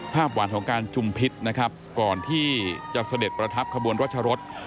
ภาพหวานของการจุมพิษนะครับก่อนที่จะเสด็จประทับขบวนรัชรส